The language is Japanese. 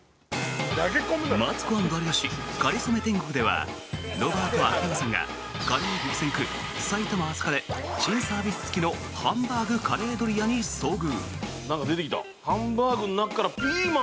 「マツコ＆有吉かりそめ天国」ではロバート、秋山さんがカレー激戦区、埼玉・朝霞で珍サービス付きのハンバーグカレードリアに遭遇。